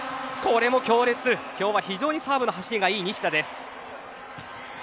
今日は非常にサーブの走りがいい西田です。